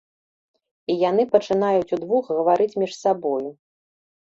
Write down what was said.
І яны пачынаюць удвух гаварыць між сабою.